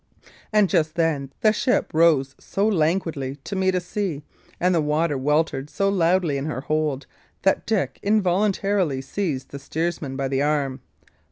And just then the ship rose so languidly to meet a sea, and the water weltered so loudly in her hold, that Dick involuntarily seized the steersman by the arm.